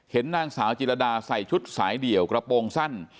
นางสาวจิรดาใส่ชุดสายเดี่ยวกระโปรงสั้น